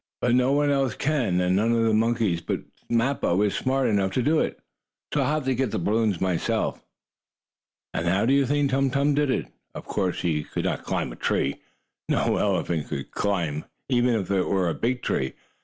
"But no one else can, and none of the monkeys but Mappo is smart enough to do it. So I'll have to get the balloons myself." And how do you think Tum Tum did it? Of course he could not climb a tree no elephant could, even if it were a big tree.